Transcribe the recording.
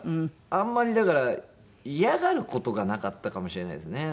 あんまりだから嫌がる事がなかったかもしれないですね。